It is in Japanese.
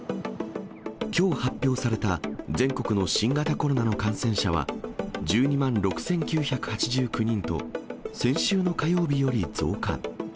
きょう発表された全国の新型コロナの感染者は、１２万６９８９人と、先週の火曜日より増加。